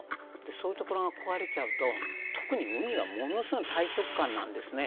そういうところが壊れちゃうと特にウニはものすごい大食漢なんですね。